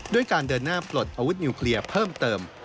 ด้วยการเดินหน้าปลดอาวุธนิวเคลียร์เพิ่มเติม